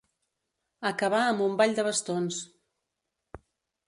Acabar amb un ball de bastons.